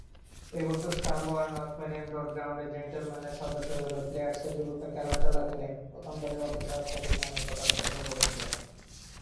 ঐ বছর স্কারবোরায় নর্থ মেরিন রোড গ্রাউন্ডে জেন্টলম্যানের সদস্যরূপে প্লেয়ার্সের বিপক্ষে খেলা চলাকালীন প্রথমবারের মতো সহস্রাধিক রানের কোটা স্পর্শ করেছিলেন।